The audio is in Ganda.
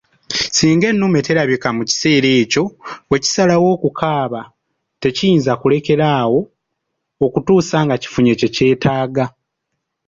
Singa ennume terabika mu kiseera ekyo ,bwe kisalawo kukaaba tekiyinza kulekeraawo okutuusa nga kifunye kye kyetaaga.